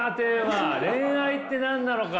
恋愛って何なのか！